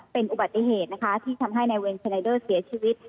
เป็นอุบัติเหตุนะคะที่ทำให้นายเวนเซไลเดอร์เสียชีวิต